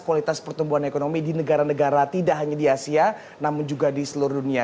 kualitas pertumbuhan ekonomi di negara negara tidak hanya di asia namun juga di seluruh dunia